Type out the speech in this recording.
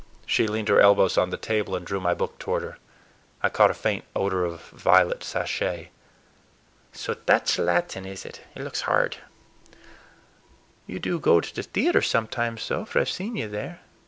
She leaned her elbows on the table and drew my book toward her. I caught a faint odor of violet sachet. "So that's Latin, is it? It looks hard. You do go to the theater sometimes, though, for I've seen you there.